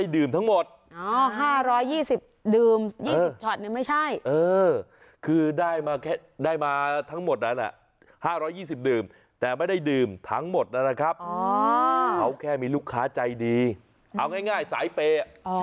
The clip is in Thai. ดื่มทั้งหมดนั่นแหละครับเขาแค่มีลูกค้าใจดีเอาง่ายสายเปย์อ๋อ